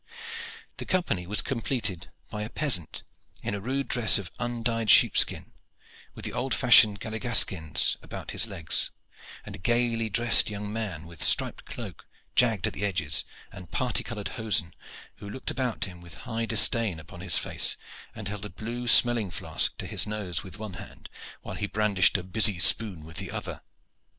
The company was completed by a peasant in a rude dress of undyed sheepskin, with the old fashioned galligaskins about his legs, and a gayly dressed young man with striped cloak jagged at the edges and parti colored hosen, who looked about him with high disdain upon his face, and held a blue smelling flask to his nose with one hand, while he brandished a busy spoon with the other.